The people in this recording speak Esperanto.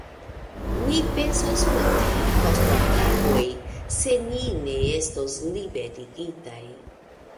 Ni pensos pri tio post ok tagoj, se ni ne estos liberigitaj.